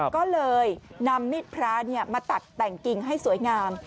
ก็เลยนำมิดพระมาตัดแต่งกิ่งให้สวยงาม